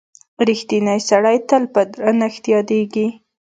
• رښتینی سړی تل په درنښت یادیږي.